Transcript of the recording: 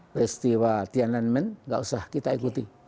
peristiwa tiananmen gak usah kita ikuti